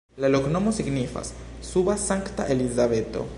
La loknomo signifas: suba-Sankta-Elizabeto.